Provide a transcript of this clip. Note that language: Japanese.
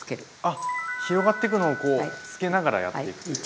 あっ広がってくのをこうつけながらやっていくという。